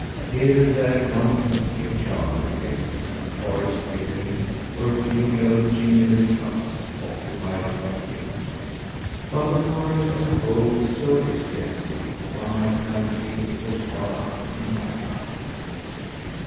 Here and there one can see a charcoal kiln, a forest clearing, or a few low, chimneyless huts, occupied by Finns. But the forest as a whole is so extensive one might fancy it was far up in Lapland.